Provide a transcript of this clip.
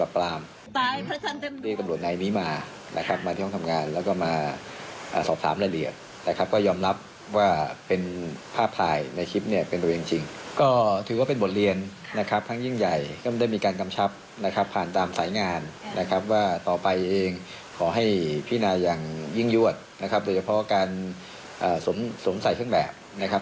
พี่นายอย่างยิ่งยวดโดยเฉพาะการสงสัยเครื่องแบบ